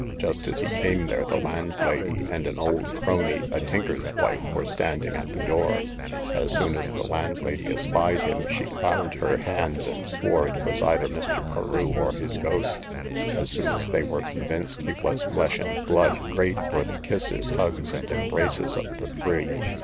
Just as he came there, the landlady and an old croney, a tinker's wife, were standing at the door; as soon as the landlady espied him, she clapped her hands, and swore it was either Mr. Carew or his ghost. As soon as they were convinced he was flesh and blood, great were the kisses, hugs, and embraces, of the three.